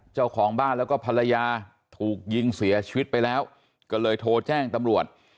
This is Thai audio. เจ้าของบ้านแล้วก็ภรรยาถูกยิงเสียชีวิตไปแล้วก็เลยโทรแจ้งตำรวจ